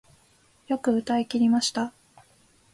よく歌い切りました